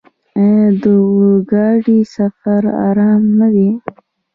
آیا د اورګاډي سفر ارام نه دی؟